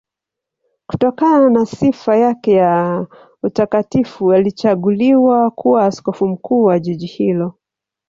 Kutokana na sifa yake ya utakatifu alichaguliwa kuwa askofu mkuu wa jiji hilo.